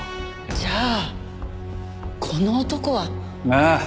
じゃあこの男は。ああ。